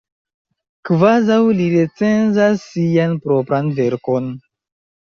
Kvazaŭ li recenzas sian propran verkon!